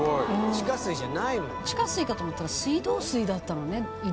「地下水かと思ったら水道水だったのね井戸から」